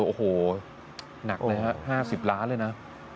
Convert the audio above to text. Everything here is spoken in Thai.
โอ้โหหนักเลยฮะ๕๐ล้านเลยนะ